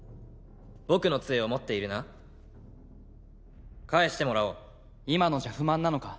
僕の杖を持っているな返してもらおう今のじゃ不満なのか？